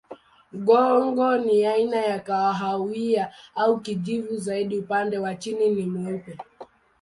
Mgongo ni aina ya kahawia au kijivu zaidi, upande wa chini ni mweupe.